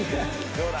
どうだ？